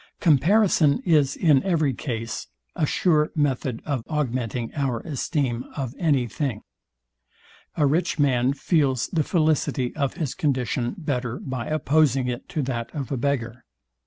Comparison is in every case a sure method of augmenting our esteem of any thing. A rich man feels the felicity of his condition better by opposing it to that of a beggar.